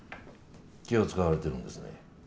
気を遣われてるんですね。